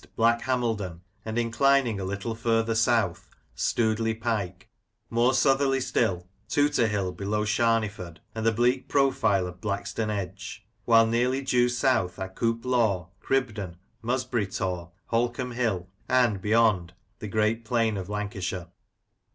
Black Hameldon, and, inclining a little further south, Stoodley Pike; more southerly still, Tooter Hill below Shameyford, and the bleak profile of Blackstonedge ; while nearly due south are Coupe Law, Cribden, Musbury Tor, Holcombe Hill, and, beyond, the great plain of Lancashire.